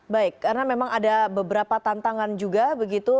baik karena memang ada beberapa tantangan juga begitu